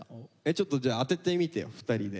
ちょっとじゃあ当ててみてよ２人で。